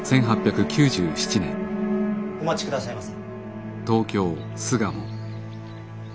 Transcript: お待ちくださいませ。